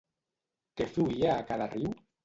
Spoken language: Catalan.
Què fluïa a cada riu?